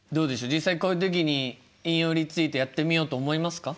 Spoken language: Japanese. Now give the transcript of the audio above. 実際こういう時に引用リツイートやってみようと思いますか？